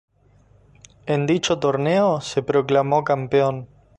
En dicho torneo se proclamó campeón.